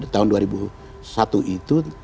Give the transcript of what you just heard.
tahun dua ribu satu itu